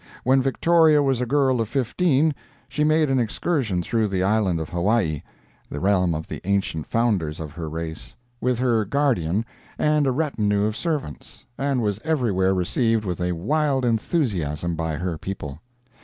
When Victoria was a girl of fifteen she made an excursion through the island of Hawaii (the realm of the ancient founders of her race), with her guardian and a retinue of servants, and was everywhere received with a wild enthusiasm by her people.